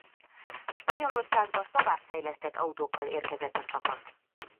Spanyolországba továbbfejlesztett autókkal érkezett a csapat.